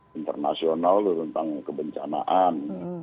ada forum internasional tentang kebencanaan